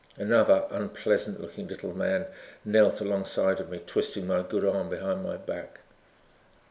Another unpleasant looking little man knelt along side of me, twisting my good arm behind my back.